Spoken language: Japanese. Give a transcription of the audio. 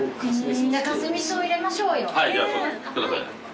じゃあカスミソウ入れましょうよ。